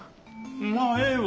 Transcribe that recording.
まあええわ。